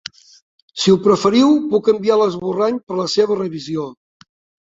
Si ho preferiu puc enviar l'esborrany per la seva revisió.